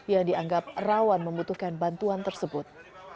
yang dianggap rawan membutuhkan bantuan tersebut